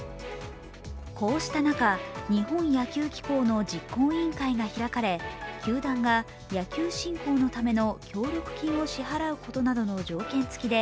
こうした中、日本野球機構の実行委員会が開かれ球団が野球振興のための協力金を支払うことなどの条件付きで